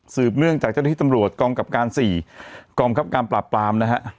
สืบเมื่องจากเจ้าหน้าที่ตำรวจกรรมกรรมการสี่กรรมครับการปราบปรามนะฮะ